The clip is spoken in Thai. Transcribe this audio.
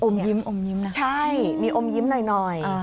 อมยิ้มอยู่นะใช่มีอมยิ้มหน่อย